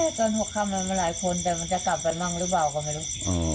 สับเค้ากันหักก้อนมามาหลายคนแต่มันจะกลับไปบั่งหรือบ้าก็ไม่รู้